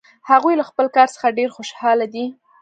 هغوی له خپل کار څخه ډېر خوشحال دي